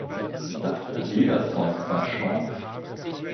Das Lederzeug war schwarz.